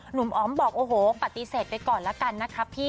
อ๋อมบอกโอ้โหปฏิเสธไปก่อนแล้วกันนะคะพี่